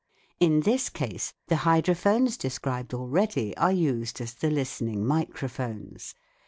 In this case the hydrophones .described already are used as the listening micro phones.